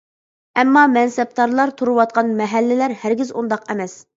ئەمما مەنسەپدارلار تۇرۇۋاتقان مەھەللىلەر ھەرگىز ئۇنداق ئەمەس.